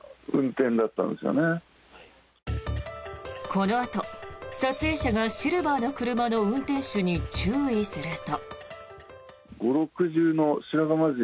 このあと撮影者がシルバーの車の運転手に注意すると。